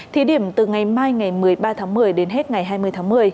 thí điểm từ ngày mai ngày một mươi ba tháng một mươi đến hết ngày hai mươi tháng một mươi